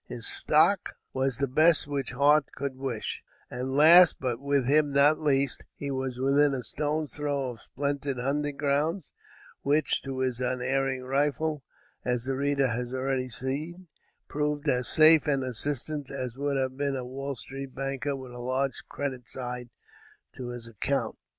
His stock was the best which heart could wish; and last, but with him not least, he was within a stone's throw of splendid hunting grounds, which, to his unerring rifle, as the reader has already seen, proved as safe an assistant, as would have been a Wall street bank with a large credit side to his account.